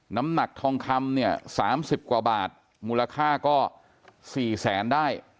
น้ำหนักทองคำเนี่ย๓๐กว่าบาทมูลค่าก็๔แสนได้